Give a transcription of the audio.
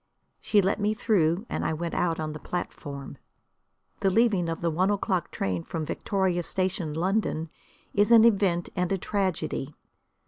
She let me through, and I went out on the platform. The leaving of the one o'clock train from Victoria Station, London, is an event and a tragedy.